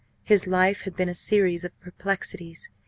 His life had been a series of perplexities.